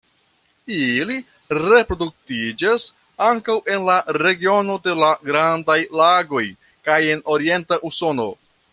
Ili reproduktiĝas ankaŭ en la regiono de la Grandaj Lagoj kaj en orienta Usono.